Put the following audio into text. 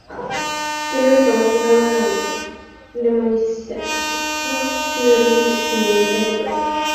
Tiene reconocida una denominación de origen a nivel europeo.